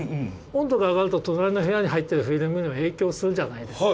温度が上がると隣の部屋に入ってるフィルムにも影響するじゃないですか。